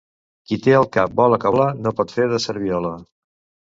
Qui té el cap vola que vola no pot fer de serviola.